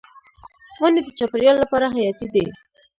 ونې د چاپیریال لپاره حیاتي دي.